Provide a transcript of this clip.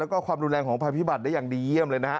แล้วก็ความรุนแรงของภัยพิบัตรได้อย่างดีเยี่ยมเลยนะฮะ